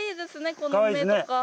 この目とか。